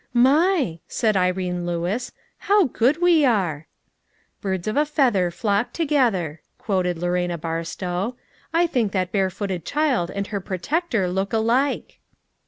"My!" said Irene Lewis. "How good we are !" "Birds of a feather, flock together," quoted Lorena Barstow. "I think that barefooted child and her protector look alike."